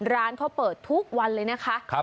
ร้านเขาเปิดทุกวันเลยนะคะ